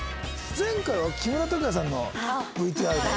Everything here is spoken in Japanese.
前回は木村拓哉さんのＶＴＲで。